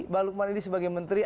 mbak lukman edi sebagai menteri